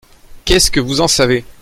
Qu’est-ce que vous en savez ?